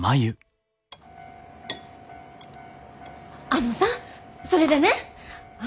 あのさそれでね！